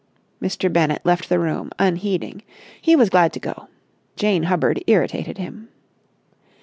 Mr. Bennett left the room, unheeding. He was glad to go. Jane Hubbard irritated him.